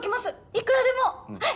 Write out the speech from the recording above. いくらでもはい！